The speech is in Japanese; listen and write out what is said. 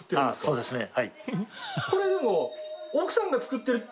そうですよ。